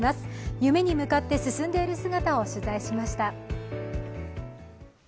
夢に向かって進んでいる姿を取材しました。